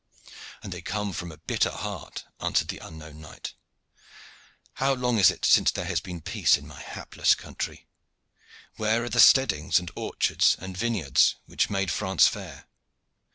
"And they come from a bitter heart," answered the unknown knight. "How long is it since there has been peace in my hapless country? Where are the steadings, and orchards, and vineyards, which made France fair?